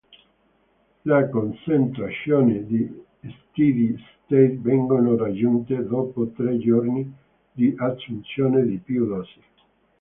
Le concentrazioni di steady-state vengono raggiunte dopo tre giorni di assunzione di più dosi.